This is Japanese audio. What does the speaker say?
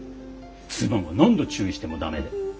妻が何度注意しても駄目で。